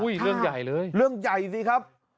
เรื่องใหญ่เลยเรื่องใหญ่สิครับ